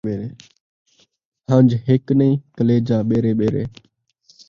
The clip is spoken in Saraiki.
ہن٘جھ ہک نئیں ، کلیجہ ٻیرے ٻیرے